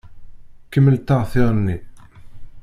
Kemmelt-aɣ tirni.